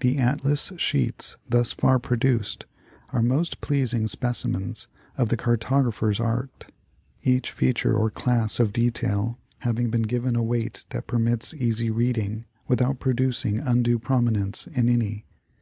The atlas sheets thus far produced are most pleasing specimens of the cartographer's art, each feature or class of detail having been given a weight that permits easy reading without producing undue prominence in any.